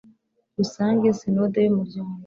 rusange sinode y umuryango